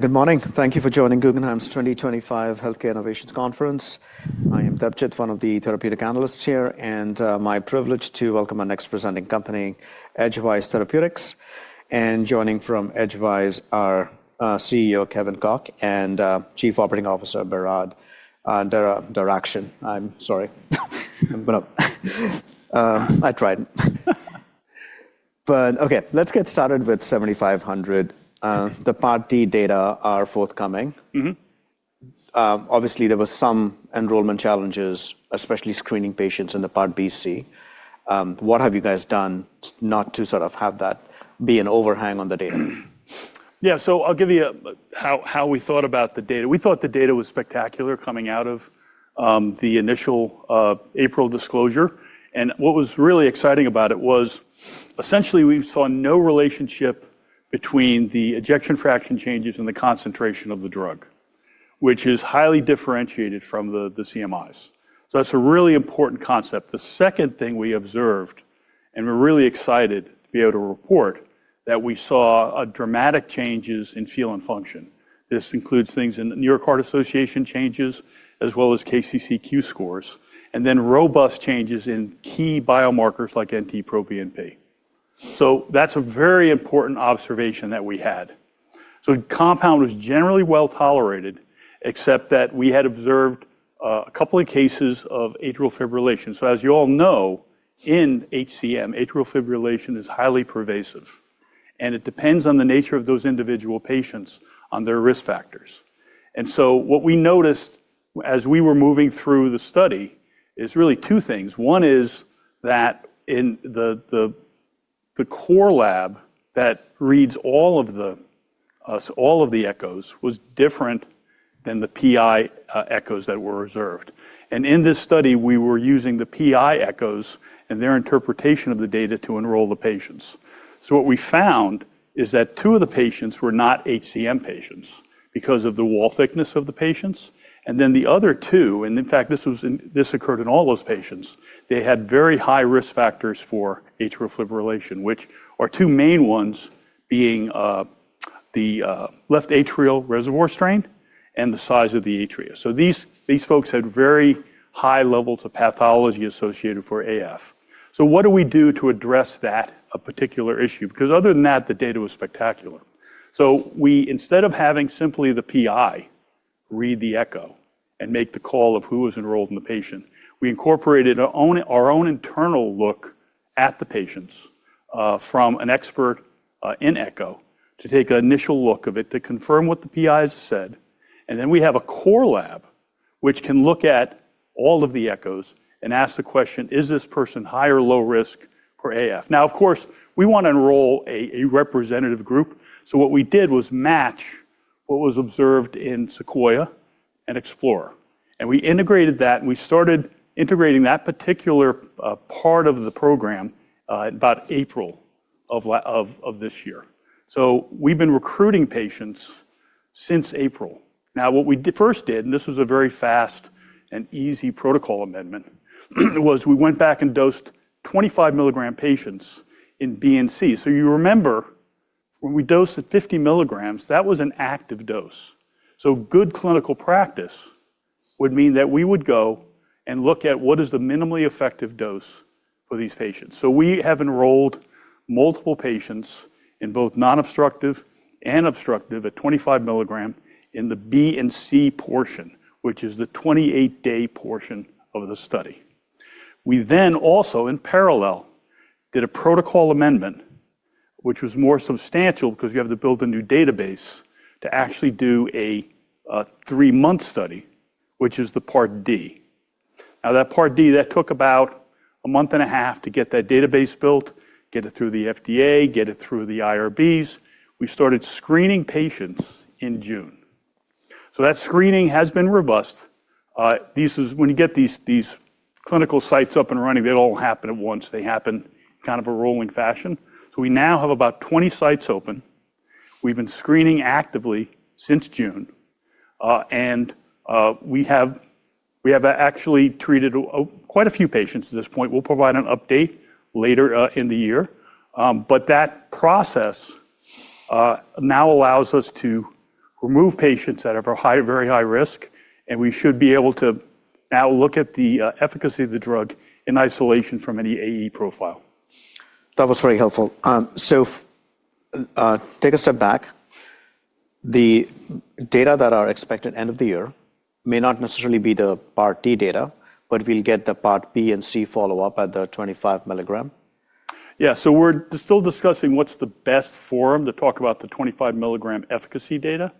Good morning. Thank you for joining Guggenheim's 2025 healthcare innovations conference. I am Debjit, one of the therapeutic analysts here, and my privilege to welcome our next presenting company, Edgewise Therapeutics. Joining from Edgewise are CEO Kevin Koch and Chief Operating Officer Behrad Derakhshan. I'm sorry. I tried. Okay, let's get started with 7500. The Part D data are forthcoming. Obviously, there were some enrollment challenges, especially screening patients in the Part B, Part C. What have you guys done not to sort of have that be an overhang on the data? Yeah, so I'll give you how we thought about the data. We thought the data was spectacular coming out of the initial April disclosure. What was really exciting about it was, essentially, we saw no relationship between the ejection fraction changes and the concentration of the drug, which is highly differentiated from the CMIs. That is a really important concept. The second thing we observed, and we're really excited to be able to report, is that we saw dramatic changes in feel and function. This includes things in the New York Heart Association changes, as well as KCCQ scores, and then robust changes in key biomarkers like NT-proBNP. That is a very important observation that we had. The compound was generally well tolerated, except that we had observed a couple of cases of atrial fibrillation. As you all know, in HCM, atrial fibrillation is highly pervasive. It depends on the nature of those individual patients, on their risk factors. What we noticed as we were moving through the study is really two things. One is that the core lab that reads all of the echoes was different than the PI echoes that were observed. In this study, we were using the PI echoes and their interpretation of the data to enroll the patients. What we found is that two of the patients were not HCM patients because of the wall thickness of the patients. The other two, and in fact, this occurred in all those patients, had very high risk factors for atrial fibrillation, with the two main ones being the left atrial reservoir strain and the size of the atria. These folks had very high levels of pathology associated for AF. What do we do to address that particular issue? Because other than that, the data was spectacular. We, instead of having simply the PI read the echo and make the call of who was enrolled in the patient, incorporated our own internal look at the patients from an expert in echo to take an initial look of it to confirm what the PIs said. We have a core lab, which can look at all of the echoes and ask the question, is this person high or low risk for AF? Of course, we want to enroll a representative group. What we did was match what was observed in Sequoia and Explorer. We integrated that, and we started integrating that particular part of the program about April of this year. We have been recruiting patients since April. Now, what we first did, and this was a very fast and easy protocol amendment, was we went back and dosed 25 mg patients in BNC. You remember, when we dosed at 50 mg, that was an active dose. Good clinical practice would mean that we would go and look at what is the minimally effective dose for these patients. We have enrolled multiple patients in both non-obstructive and obstructive at 25 mg in the BNC portion, which is the 28-day portion of the study. We also, in parallel, did a protocol amendment, which was more substantial because you have to build a new database to actually do a three-month study, which is the Part D. That Part D took about a month and a half to get that database built, get it through the FDA, get it through the IRBs. We started screening patients in June. That screening has been robust. When you get these clinical sites up and running, they do not all happen at once. They happen in kind of a rolling fashion. We now have about 20 sites open. We have been screening actively since June. We have actually treated quite a few patients at this point. We will provide an update later in the year. That process now allows us to remove patients that are very high risk, and we should be able to now look at the efficacy of the drug in isolation from any AE profile. That was very helpful. Take a step back. The data that are expected end of the year may not necessarily be the Part D data, but we'll get the Part B and Part C follow-up at the 25 mg? Yeah, so we're still discussing what's the best forum to talk about the 25 mg efficacy data.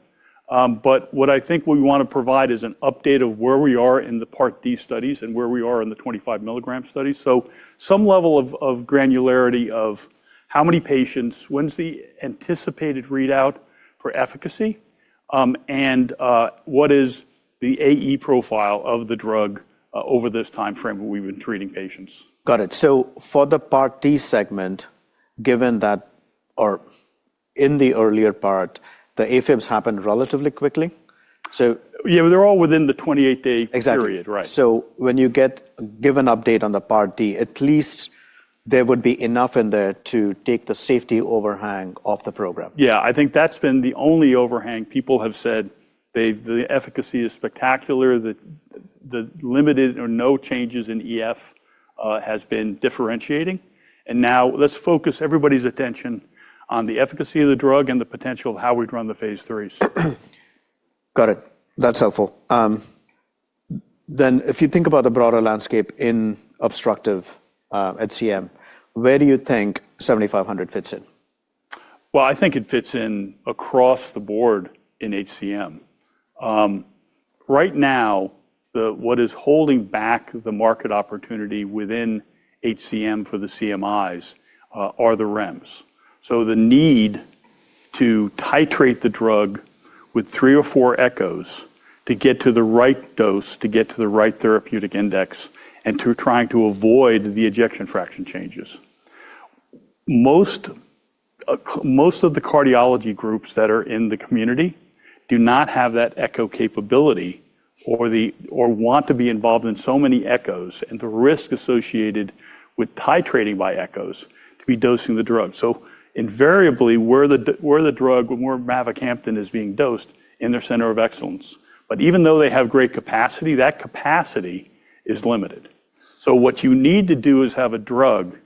What I think we want to provide is an update of where we are in the Part D studies and where we are in the 25 mg studies. Some level of granularity of how many patients, when's the anticipated readout for efficacy, and what is the AE profile of the drug over this timeframe when we've been treating patients. Got it. For the Part D segment, given that in the earlier part, the AFibs happened relatively quickly. Yeah, they're all within the 28-day period. Exactly. When you get a given update on the Part D, at least there would be enough in there to take the safety overhang off the program. Yeah, I think that's been the only overhang people have said. The efficacy is spectacular. The limited or no changes in EF has been differentiating. Now let's focus everybody's attention on the efficacy of the drug and the potential of how we'd run the phase threes. Got it. That's helpful. If you think about the broader landscape in obstructive HCM, where do you think 7500 fits in? I think it fits in across the board in HCM. Right now, what is holding back the market opportunity within HCM for the CMIs are the REMs. The need to titrate the drug with three or four echoes to get to the right dose, to get to the right therapeutic index, and to trying to avoid the ejection fraction changes. Most of the cardiology groups that are in the community do not have that echo capability or want to be involved in so many echoes and the risk associated with titrating by echoes to be dosing the drug. Invariably, where the drug, where mavacamten is being dosed, in their center of excellence. Even though they have great capacity, that capacity is limited. What you need to do is have a drug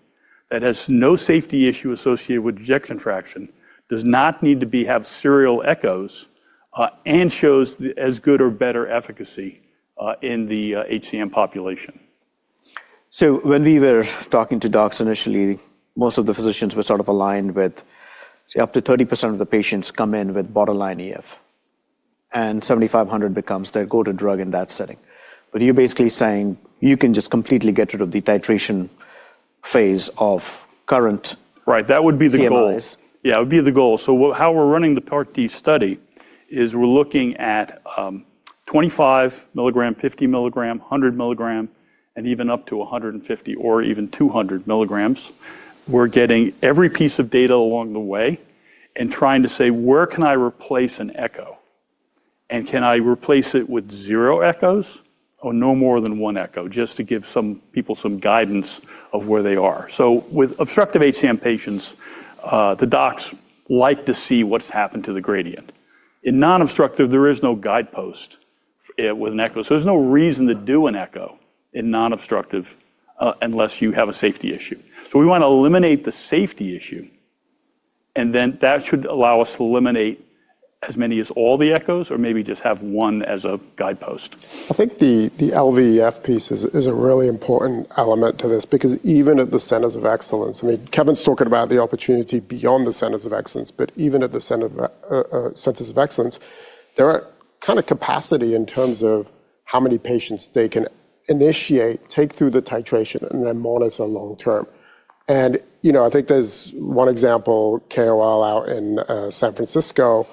that has no safety issue associated with ejection fraction, does not need to have serial echoes, and shows as good or better efficacy in the HCM population. When we were talking to docs initially, most of the physicians were sort of aligned with, say, up to 30% of the patients come in with borderline EF, and 7500 becomes their go-to drug in that setting. You're basically saying you can just completely get rid of the titration phase of current. Right, that would be the goal. Yeah, it would be the goal. How we're running the Part D study is we're looking at 25 mg, 50 mg, 100 mg, and even up to 150 mg or even 200 mg. We're getting every piece of data along the way and trying to say, where can I replace an echo? Can I replace it with zero echoes or no more than one echo just to give some people some guidance of where they are? With obstructive HCM patients, the docs like to see what's happened to the gradient. In non-obstructive, there is no guidepost with an echo. There's no reason to do an echo in non-obstructive unless you have a safety issue. We want to eliminate the safety issue, and then that should allow us to eliminate as many as all the echoes or maybe just have one as a guidepost. I think the LVEF piece is a really important element to this because even at the centers of excellence, I mean, Kevin's talking about the opportunity beyond the centers of excellence, but even at the centers of excellence, there are kind of capacity in terms of how many patients they can initiate, take through the titration, and then monitor long term. I think there's one example, KOL out in San Francisco.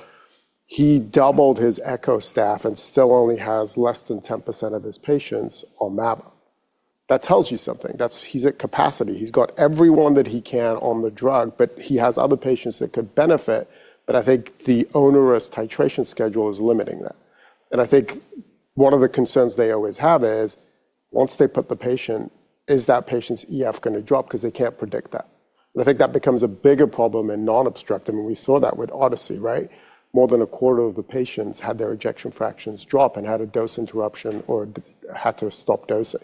He doubled his echo staff and still only has less than 10% of his patients on MABA. That tells you something. He's at capacity. He's got everyone that he can on the drug, but he has other patients that could benefit. I think the onerous titration schedule is limiting that. I think one of the concerns they always have is once they put the patient, is that patient's EF going to drop? Because they can't predict that. I think that becomes a bigger problem in non-obstructive. We saw that with Odyssey, right? More than a quarter of the patients had their ejection fractions drop and had a dose interruption or had to stop dosing.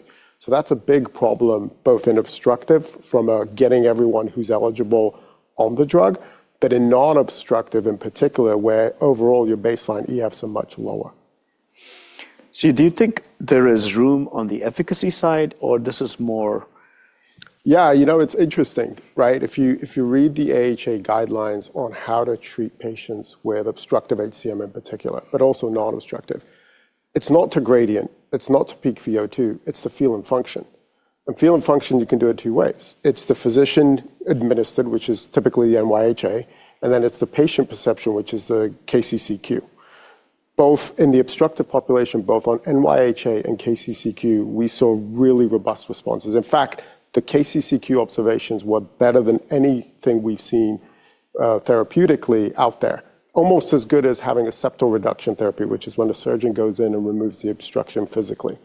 That is a big problem, both in obstructive from getting everyone who's eligible on the drug, but in non-obstructive in particular, where overall your baseline EFs are much lower. Do you think there is room on the efficacy side, or this is more? Yeah, you know, it's interesting, right? If you read the AHA guidelines on how to treat patients with obstructive HCM in particular, but also non-obstructive, it's not to gradient. It's not to peak VO2. It's to feel and function. And feel and function, you can do it two ways. It's the physician-administered, which is typically the NYHA, and then it's the patient perception, which is the KCCQ. Both in the obstructive population, both on NYHA and KCCQ, we saw really robust responses. In fact, the KCCQ observations were better than anything we've seen therapeutically out there. Almost as good as having a septal reduction therapy, which is when the surgeon goes in and removes the obstruction physically.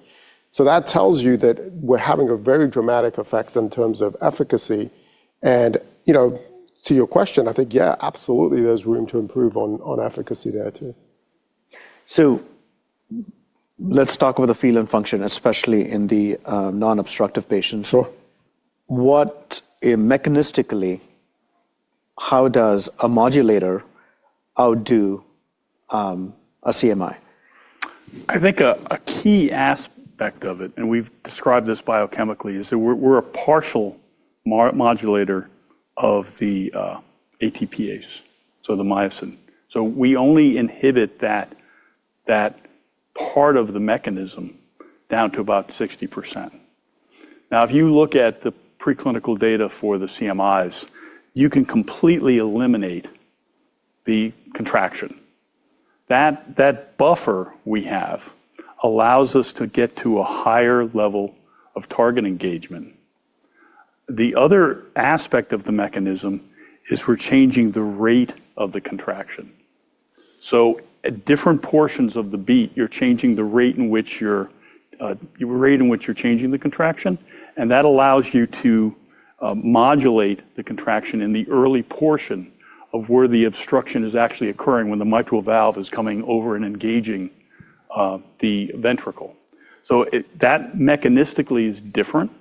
That tells you that we're having a very dramatic effect in terms of efficacy. To your question, I think, yeah, absolutely, there's room to improve on efficacy there too. Let's talk about the feel and function, especially in the non-obstructive patients. Sure. What, mechanistically, how does a modulator outdo a CMI? I think a key aspect of it, and we've described this biochemically, is that we're a partial modulator of the ATPase, so the myosin. We only inhibit that part of the mechanism down to about 60%. Now, if you look at the preclinical data for the CMIs, you can completely eliminate the contraction. That buffer we have allows us to get to a higher level of target engagement. The other aspect of the mechanism is we're changing the rate of the contraction. At different portions of the beat, you're changing the rate in which you're changing the contraction, and that allows you to modulate the contraction in the early portion of where the obstruction is actually occurring when the mitral valve is coming over and engaging the ventricle. That mechanistically is different.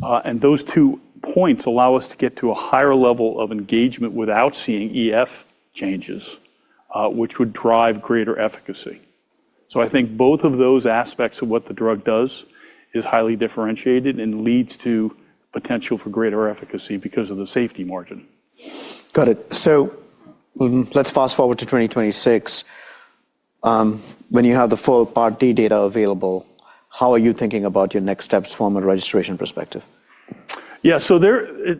Those two points allow us to get to a higher level of engagement without seeing EF changes, which would drive greater efficacy. I think both of those aspects of what the drug does is highly differentiated and leads to potential for greater efficacy because of the safety margin. Got it. Let's fast forward to 2026. When you have the full Part D data available, how are you thinking about your next steps from a registration perspective? Yeah, so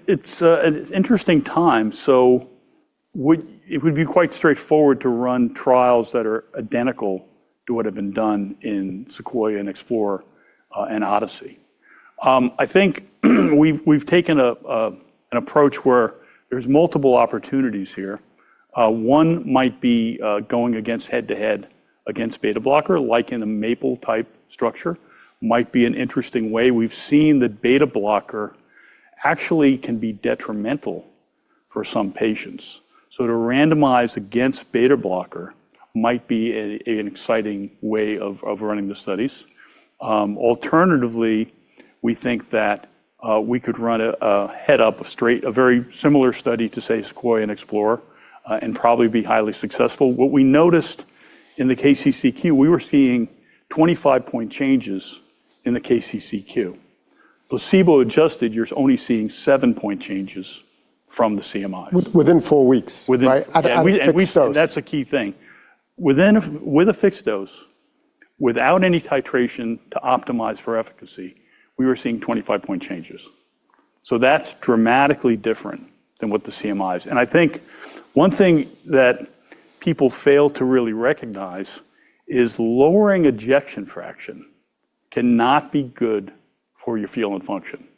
it's an interesting time. It would be quite straightforward to run trials that are identical to what have been done in Sequoia and Explorer and Odyssey. I think we've taken an approach where there's multiple opportunities here. One might be going head-to-head against beta blocker, like in a MAPL-type structure. Might be an interesting way. We've seen that beta blocker actually can be detrimental for some patients. To randomize against beta blocker might be an exciting way of running the studies. Alternatively, we think that we could run a head-up, a very similar study to, say, Sequoia and Explorer, and probably be highly successful. What we noticed in the KCCQ, we were seeing 25-point changes in the KCCQ. placebo-adjusted, you're only seeing 7-point changes from the CMI. Within four weeks. Within a fixed dose. That's a key thing. With a fixed dose, without any titration to optimize for efficacy, we were seeing 25-point changes. That's dramatically different than what the CMI is. I think one thing that people fail to really recognize is lowering ejection fraction cannot be good for your feel and function.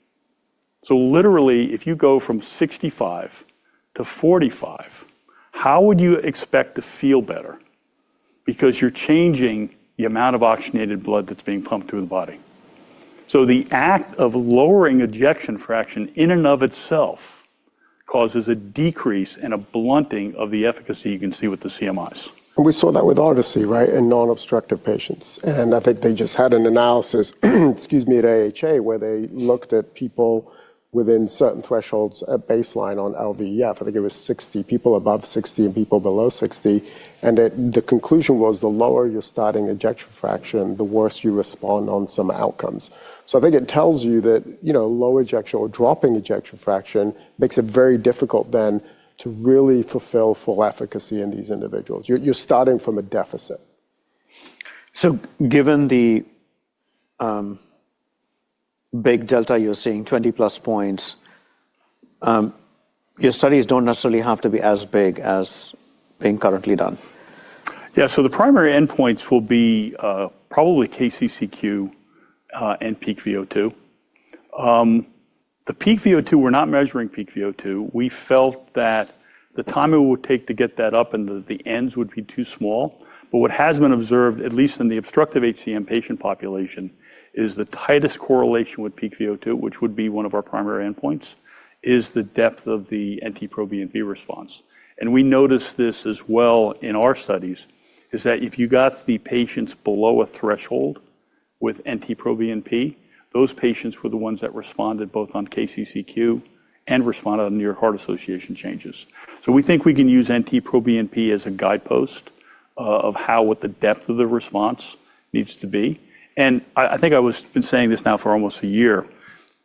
Literally, if you go from 65 to 45, how would you expect to feel better? You're changing the amount of oxygenated blood that's being pumped through the body. The act of lowering ejection fraction in and of itself causes a decrease and a blunting of the efficacy you can see with the CMIs. We saw that with Odyssey, right, in non-obstructive patients. I think they just had an analysis, excuse me, at AHA where they looked at people within certain thresholds at baseline on LVEF. I think it was 60, people above 60 and people below 60. The conclusion was the lower your starting ejection fraction, the worse you respond on some outcomes. I think it tells you that low ejection or dropping ejection fraction makes it very difficult then to really fulfill full efficacy in these individuals. You're starting from a deficit. Given the big delta you're seeing, 20-plus points, your studies don't necessarily have to be as big as being currently done. Yeah, so the primary endpoints will be probably KCCQ and peak VO2. The peak VO2, we're not measuring peak VO2. We felt that the time it would take to get that up and that the ends would be too small. What has been observed, at least in the obstructive HCM patient population, is the tightest correlation with peak VO2, which would be one of our primary endpoints, is the depth of the NT-proBNP response. We noticed this as well in our studies, that if you got the patients below a threshold with NT-proBNP, those patients were the ones that responded both on KCCQ and responded on New York Heart Association changes. We think we can use NT-proBNP as a guidepost of how the depth of the response needs to be. I think I have been saying this now for almost a year.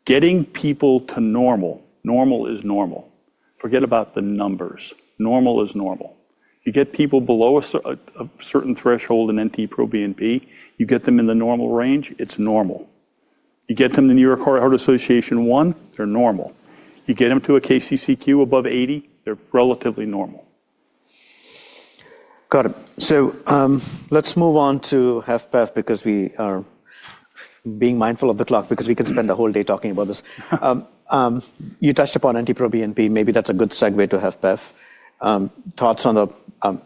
Getting people to normal, normal is normal. Forget about the numbers. Normal is normal. You get people below a certain threshold in NT-proBNP, you get them in the normal range, it's normal. You get them to New York Heart Association one, they're normal. You get them to a KCCQ above 80, they're relatively normal. Got it. Let's move on to HFpEF because we are being mindful of the clock because we can spend the whole day talking about this. You touched upon NT-proBNP. Maybe that's a good segue to HFpEF. Thoughts on the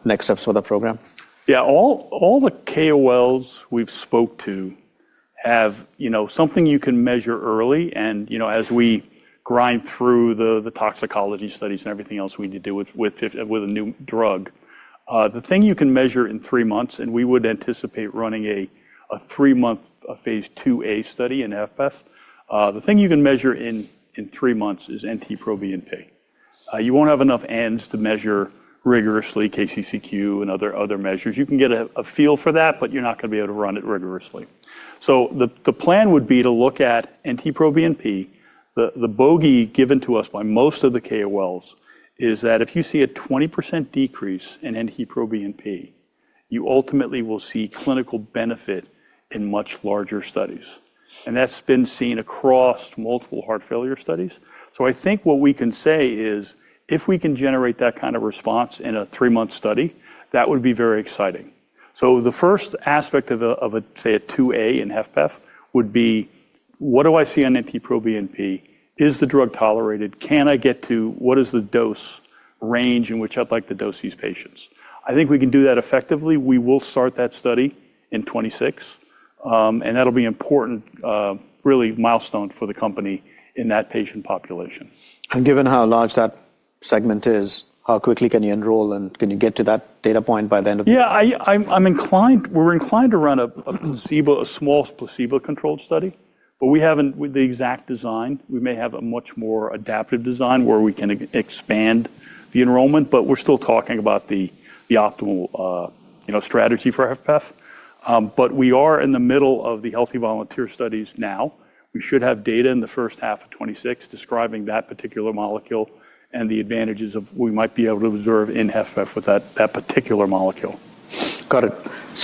next steps for the program? Yeah, all the KOLs we've spoke to have something you can measure early. As we grind through the toxicology studies and everything else we need to do with a new drug, the thing you can measure in three months, and we would anticipate running a three-month phase 2A study in HFpEF, the thing you can measure in three months is NT-proBNP. You won't have enough ends to measure rigorously KCCQ and other measures. You can get a feel for that, but you're not going to be able to run it rigorously. The plan would be to look at NT-proBNP. The bogey given to us by most of the KOLs is that if you see a 20% decrease in NT-proBNP, you ultimately will see clinical benefit in much larger studies. That's been seen across multiple heart failure studies. I think what we can say is if we can generate that kind of response in a three-month study, that would be very exciting. The first aspect of a, say, a 2A in HFpEF would be, what do I see on NT-proBNP? Is the drug tolerated? Can I get to, what is the dose range in which I'd like to dose these patients? I think we can do that effectively. We will start that study in 2026, and that'll be an important really milestone for the company in that patient population. Given how large that segment is, how quickly can you enroll and can you get to that data point by the end of the year? Yeah, we're inclined to run a small placebo-controlled study, but we haven't with the exact design. We may have a much more adaptive design where we can expand the enrollment, but we're still talking about the optimal strategy for HFpEF. We are in the middle of the healthy volunteer studies now. We should have data in the first half of 2026 describing that particular molecule and the advantages of what we might be able to observe in HFpEF with that particular molecule. Got it.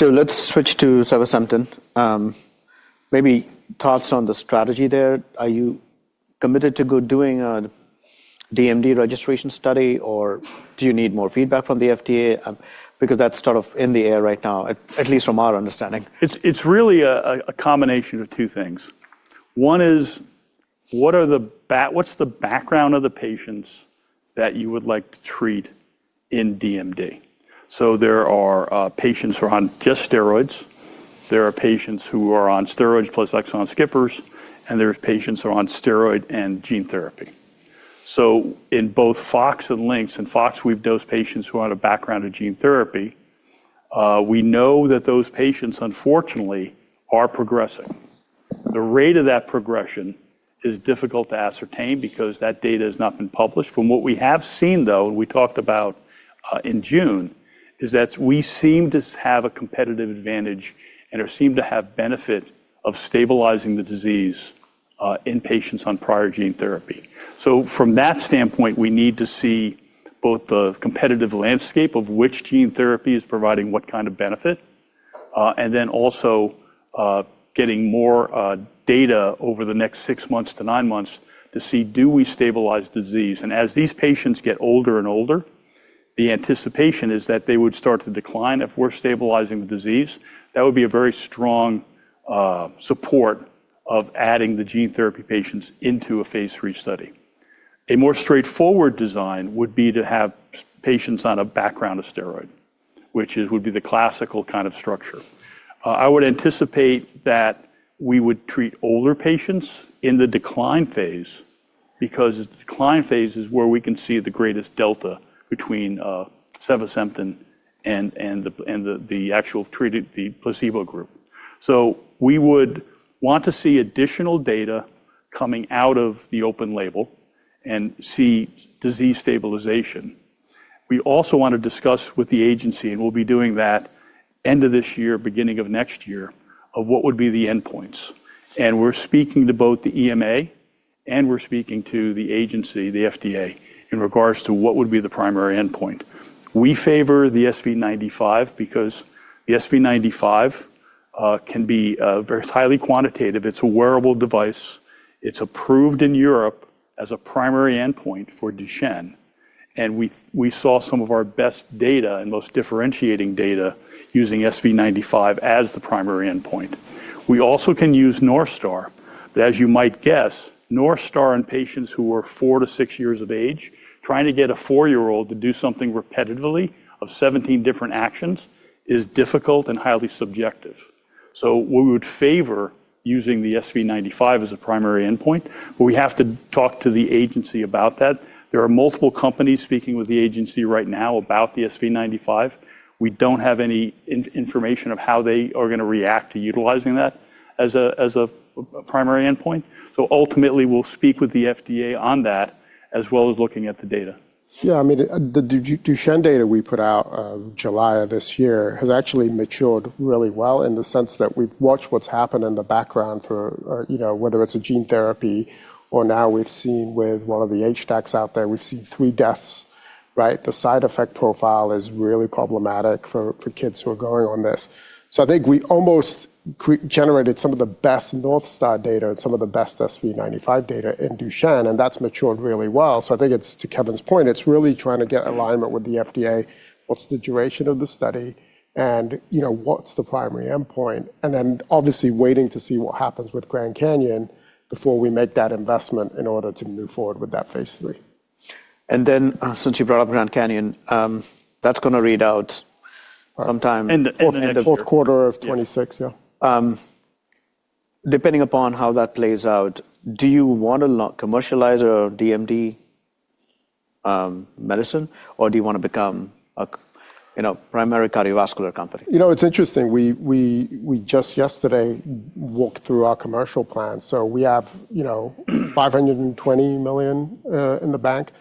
Let's switch to sevasemten. Maybe thoughts on the strategy there. Are you committed to go doing a DMD registration study, or do you need more feedback from the FDA? Because that's sort of in the air right now, at least from our understanding. It's really a combination of two things. One is, what's the background of the patients that you would like to treat in DMD? There are patients who are on just steroids. There are patients who are on steroids plus exon skippers, and there are patients who are on steroid and gene therapy. In both FOX and LYNX, and FOX, we've dosed patients who are on a background of gene therapy. We know that those patients, unfortunately, are progressing. The rate of that progression is difficult to ascertain because that data has not been published. From what we have seen, though, and we talked about in June, is that we seem to have a competitive advantage and seem to have benefit of stabilizing the disease in patients on prior gene therapy. From that standpoint, we need to see both the competitive landscape of which gene therapy is providing what kind of benefit, and then also getting more data over the next six months to nine months to see, do we stabilize disease? As these patients get older and older, the anticipation is that they would start to decline if we're stabilizing the disease. That would be a very strong support of adding the gene therapy patients into a phase three study. A more straightforward design would be to have patients on a background of steroid, which would be the classical kind of structure. I would anticipate that we would treat older patients in the decline phase because the decline phase is where we can see the greatest delta between sevasemten and the actual placebo group. We would want to see additional data coming out of the open label and see disease stabilization. We also want to discuss with the agency, and we'll be doing that end of this year, beginning of next year, of what would be the endpoints. We're speaking to both the EMA and we're speaking to the agency, the FDA, in regards to what would be the primary endpoint. We favor the SV95 because the SV95 can be very highly quantitative. It's a wearable device. It's approved in Europe as a primary endpoint for Duchenne. We saw some of our best data and most differentiating data using SV95 as the primary endpoint. We also can use North Star, but as you might guess, North Star in patients who are 4-6 years of age, trying to get a four-year-old to do something repetitively of 17 different actions is difficult and highly subjective. We would favor using the SV95 as a primary endpoint, but we have to talk to the agency about that. There are multiple companies speaking with the agency right now about the SV95. We do not have any information of how they are going to react to utilizing that as a primary endpoint. Ultimately, we will speak with the FDA on that as well as looking at the data. Yeah, I mean, the Duchenne data we put out in July of this year has actually matured really well in the sense that we've watched what's happened in the background for whether it's a gene therapy or now we've seen with one of the HDACs out there, we've seen three deaths, right? The side effect profile is really problematic for kids who are going on this. I think we almost generated some of the best North Star data and some of the best SV95 data in Duchenne, and that's matured really well. I think it's to Kevin's point, it's really trying to get alignment with the FDA. What's the duration of the study? What's the primary endpoint? Obviously waiting to see what happens with Grand Canyon before we make that investment in order to move forward with that phase III. Since you brought up Grand Canyon, that's going to read out sometime in the end of the year. In the fourth quarter of 2026, yeah. Depending upon how that plays out, do you want to commercialize our DMD medicine, or do you want to become a primary cardiovascular company? You know, it's interesting. We just yesterday walked through our commercial plan. We have $520 million in the bank.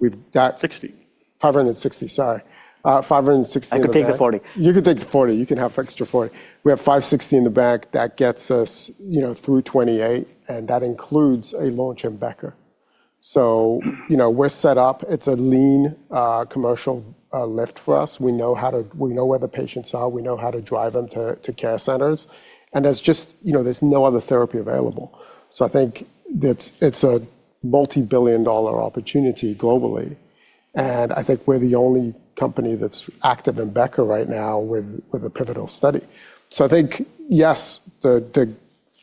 We've got. 60. 560, sorry. 560 in the bank. I could take the 40. You could take the 40. You can have extra 40. We have $560 million in the bank. That gets us through 2028, and that includes a long-term backer. We are set up. It is a lean commercial lift for us. We know where the patients are. We know how to drive them to care centers. There is just, there is no other therapy available. I think it is a multi-billion dollar opportunity globally. I think we are the only company that is active in Becker right now with a pivotal study. I think, yes, the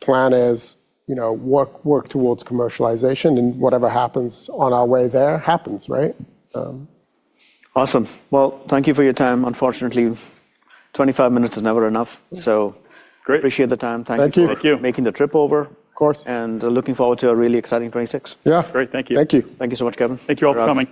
plan is work towards commercialization, and whatever happens on our way there happens, right? Awesome. Thank you for your time. Unfortunately, 25 minutes is never enough. I appreciate the time. Thank you for making the trip over. Of course. Looking forward to a really exciting 2026. Yeah, great. Thank you. Thank you. Thank you so much, Kevin. Thank you all for coming.